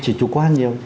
chỉ chủ quan nhiều